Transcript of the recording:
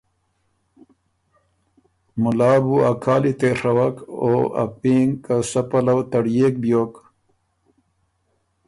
مُلا بو ا کالی تېڒوَک او ا پینګ که سۀ پَلؤ تړيېک بیوک